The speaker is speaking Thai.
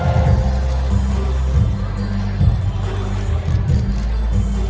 สโลแมคริปราบาล